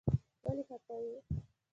ولې خفه يې.